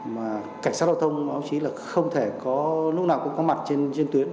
mà cảnh sát giao thông không thể lúc nào có có mặt trên tuyến